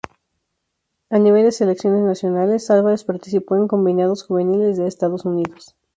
A nivel de selecciones nacionales, Álvarez participó en combinados juveniles de Estados Unidos.